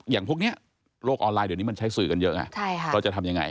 อย่างพวกนี้โลกออนไลน์เดี๋ยวนี้มันใช้สื่อกันเยอะไงเราจะทำยังไง